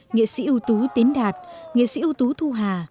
nghệ sĩ ưu tú tín đạt nghệ sĩ ưu tú thu hà